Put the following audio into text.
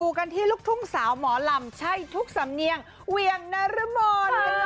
กันที่ลูกทุ่งสาวหมอลำใช่ทุกสำเนียงเวียงนรมน